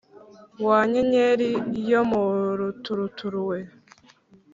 Wa nyenyeri yo mu ruturuturu we